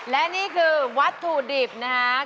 และนี่คือวัตถุดิบนะครับ